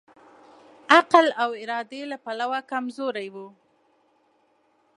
عقل او ارادې له پلوه کمزوری وو.